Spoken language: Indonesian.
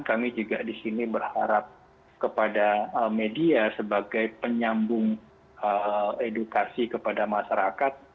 kami juga di sini berharap kepada media sebagai penyambung edukasi kepada masyarakat